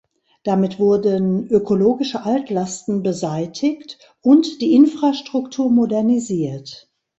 Damit wurden ökologische Altlasten beseitigt und die Infrastruktur modernisiert.